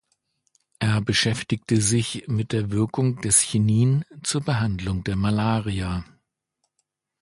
Er beschäftigte sich mit der Wirkung des Chinin zur Behandlung der Malaria.